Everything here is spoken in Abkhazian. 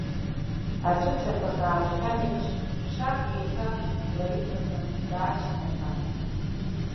Аҵәыцақәак аажәхьан еиԥш, ԥшак еиҭаалаиҵасын, даашьҭнаԥааит.